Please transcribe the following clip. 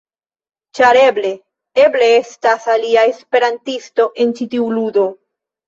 Ĉar eble... eble estas alia esperantisto en ĉi tiu ludo.